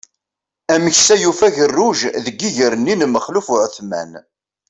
Ameksa yufa agerruj deg iger-nni n Maxluf Uεetman.